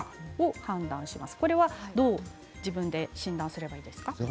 これはどう自分で診断すればいいですか。